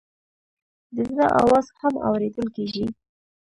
د زړه آواز هم اورېدل کېږي.